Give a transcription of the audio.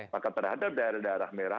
maka terhadap daerah daerah merah